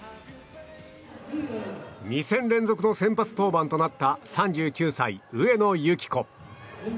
２戦連続の先発登板となった３９歳、上野由岐子。